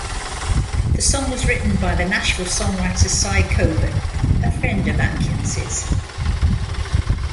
The song was written by the Nashville songwriter Cy Coben, a friend of Atkins's.